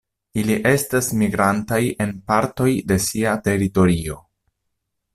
Ili estas migrantaj en partoj de sia teritorio.